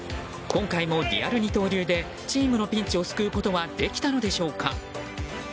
今回もリアル二刀流でチームのピンチを救うことはできたのでしょうか。